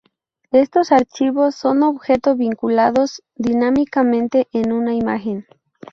Estos archivos son objeto vinculados dinámicamente en una imagen.